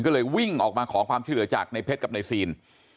ก็เลยวิ่งออกมาขอความช่วยเหลือจากในเพชรกับนายซีน